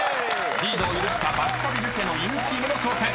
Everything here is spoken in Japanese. ［リードを許したバスカヴィル家の犬チームの挑戦］